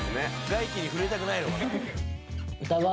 外気に触れたくないのかな？